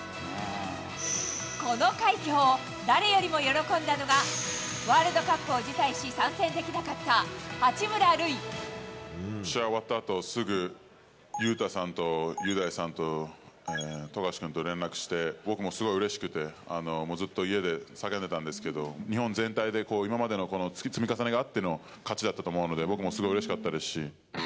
この快挙を誰よりも喜んだのが、ワールドカップを辞退し、参戦で試合終わったあとすぐ、雄太さんと雄大さんと富樫君と連絡して、僕もすごいうれしくて、ずっと家で叫んでたんですけど、日本全体で今までの積み重ねがあっての勝ちだったと思うので、僕もすごくうれしかったですし。